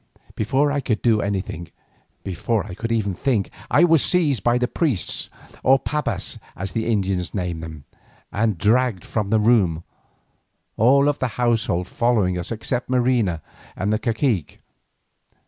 Before I could do anything, before I could even think, I was seized by the priests, or pabas as the Indians name them, and dragged from the room, all the household following us except Marina and the cacique.